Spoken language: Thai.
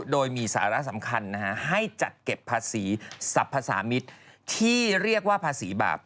โดยมีสาระสำคัญให้จัดเก็บภาษีสรรพสามิตรที่เรียกว่าภาษีบาป